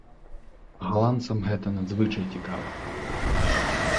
Галандцам гэта надзвычай цікава.